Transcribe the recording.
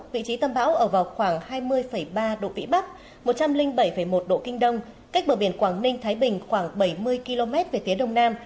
vị trí tâm bão ở vào khoảng hai mươi ba độ vĩ bắc một trăm linh bảy một độ kinh đông cách bờ biển quảng ninh thái bình khoảng bảy mươi km về phía đông nam